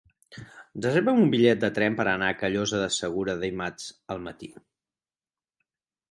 Reserva'm un bitllet de tren per anar a Callosa de Segura dimarts al matí.